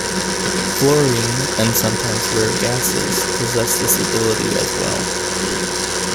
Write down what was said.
Fluorine and sometimes rare gases possess this ability as well.